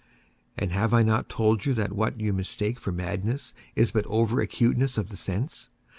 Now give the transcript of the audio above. And have I not told you that what you mistake for madness is but over acuteness of the sense?